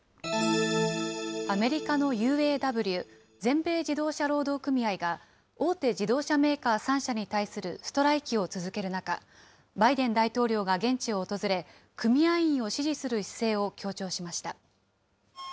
アメリカのＵＡＷ・全米自動車労働組合が、大手自動車メーカー３社に対するストライキを続ける中、バイデン大統領が現地を訪れ、組合員を支持する姿勢を強調しました。